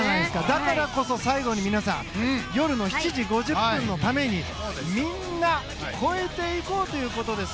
だからこそ、最後に皆さん夜の７時５０分のためにみんな超えていこうということです。